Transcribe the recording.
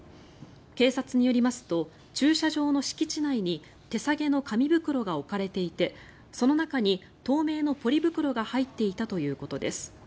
警察によりますと駐車場の敷地内に手提げの紙袋が置かれていてその中に透明のポリ袋が入っていたということです。